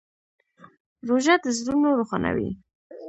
روژه د زړونو روښانوي.